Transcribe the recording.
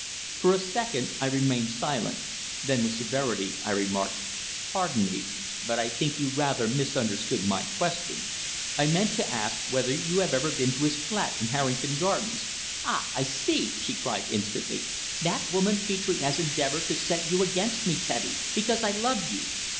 For a second I remained silent. Then with severity I remarked: "Pardon me, but I think you rather misunderstood my question. I meant to ask whether you have ever been to his flat in Harrington Gardens?" "Ah! I see," she cried instantly. "That woman Petre has endeavoured to set you against me, Teddy, because I love you.